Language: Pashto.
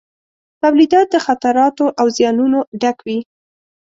تولیدات د خطراتو او زیانونو ډک وي.